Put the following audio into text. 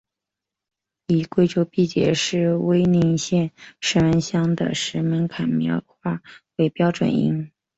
以贵州毕节市威宁县石门乡的石门坎苗话为标准音。